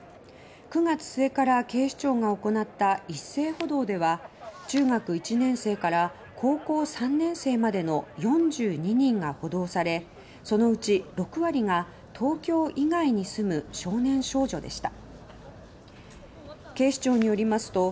９月末から警視庁が行った一斉補導では中学１年生から高校３年生までの４２人が補導されそのうち６割が東京以外に住む少年少女でした。